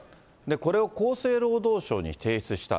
これを厚生労働省に提出した。